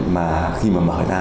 mà khi mà mở ra